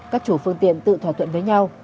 các chủ phương tiện tự thỏa thuận với nhau